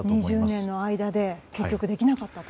２０年の間で結局できなかったと。